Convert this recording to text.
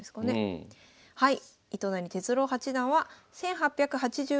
はい。